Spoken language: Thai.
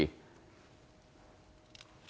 เขาเปิดเขาทะเลาะกันอยู่เขาทะเลาะกันอยู่แล้วผู้ชายก็เนี่ย